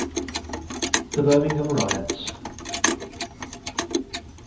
THE BIRMINGHAM RIOTS.